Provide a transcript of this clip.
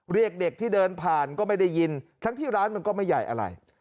เรียกเด็กที่เดินผ่านก็ไม่ได้ยินทั้งที่ร้านมันก็ไม่ใหญ่อะไร